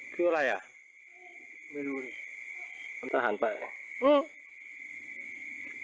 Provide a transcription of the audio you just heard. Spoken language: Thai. คืออะไรอ่ะไม่รู้ต้องหันไป